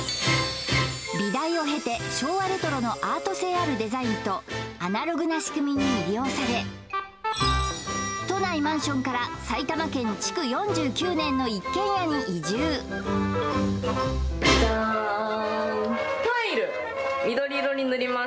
美大を経て昭和レトロのアート性あるデザインとアナログな仕組みに魅了され都内マンションから埼玉県築４９年の一軒家に移住ジャーン！